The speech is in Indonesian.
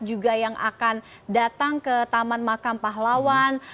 juga yang akan datang ke taman makam pahlawan